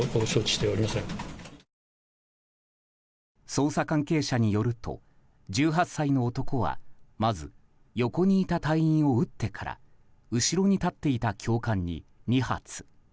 捜査関係者によると１８歳の男はまず、横にいた隊員を撃ってから後ろに立っていた教官に２発。